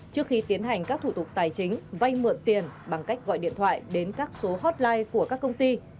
trước khi tiến hành các thủ tục tài chính vay mượn tiền bằng cách gọi điện thoại đến các số hotline của các công ty